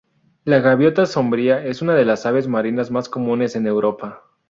La gaviota sombría es una de las aves marinas más comunes en Europa.